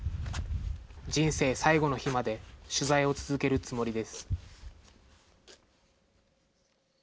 人生最期の日まで、取材を続けるつもりです。